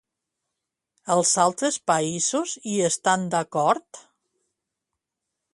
Els altres països hi estan d'acord?